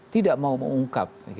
tidak mau mengungkap